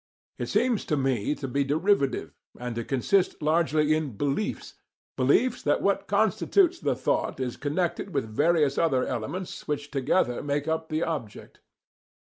It seems to me to be derivative, and to consist largely in BELIEFS: beliefs that what constitutes the thought is connected with various other elements which together make up the object.